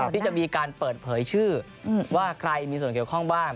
ที่จะมีการเปิดเผยชื่อว่าใครมีส่วนเกี่ยวข้องบ้าง